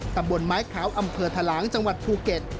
ตำบลไม้ขาวอำเภอทะลางจังหวัดภูเก็ต